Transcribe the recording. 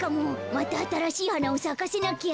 またあたらしいはなをさかせなきゃ。